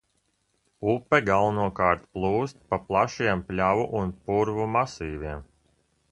Upe galvenokārt plūst pa plašiem pļavu un purvu masīviem.